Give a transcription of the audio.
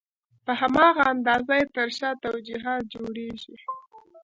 په هماغه اندازه یې تر شا توجیهات جوړېږي.